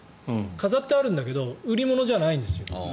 飾ってあるんだけど売り物じゃないんですよ。